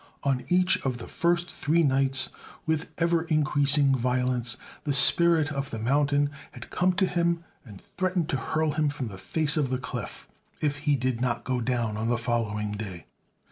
On each of the first three nights, with ever increasing violence, the spirit of the mountain had come to him and threatened to hurl him off the face of the cliff if he did not go down on the following day.